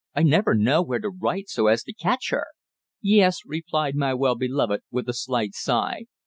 I never know where to write so as to catch her." "Yes," replied my well beloved, with a slight sigh.